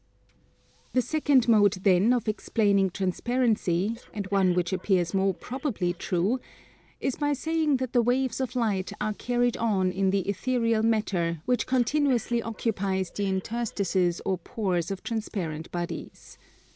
The second mode then of explaining transparency, and one which appears more probably true, is by saying that the waves of light are carried on in the ethereal matter, which continuously occupies the interstices or pores of transparent bodies.